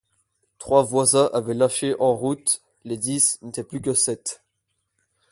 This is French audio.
Trois voisins avaient lâché en route, les dix n'étaient plus que sept.